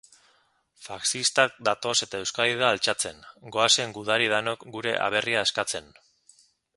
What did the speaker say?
Faxistak datoz eta Euskadi da altxatzen. goazen gudari danok gure aberria askatzen.